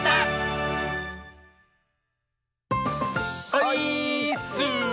オイーッス！